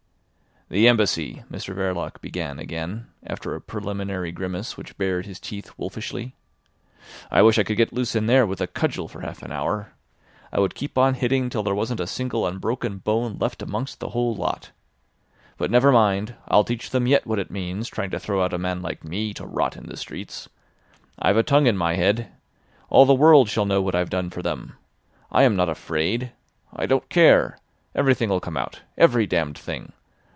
"The Embassy," Mr Verloc began again, after a preliminary grimace which bared his teeth wolfishly. "I wish I could get loose in there with a cudgel for half an hour. I would keep on hitting till there wasn't a single unbroken bone left amongst the whole lot. But never mind, I'll teach them yet what it means trying to throw out a man like me to rot in the streets. I've a tongue in my head. All the world shall know what I've done for them. I am not afraid. I don't care. Everything'll come out. Every damned thing.